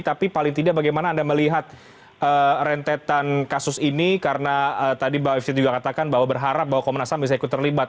tapi paling tidak bagaimana anda melihat rentetan kasus ini karena tadi mbak evi juga katakan bahwa berharap bahwa komnas ham bisa ikut terlibat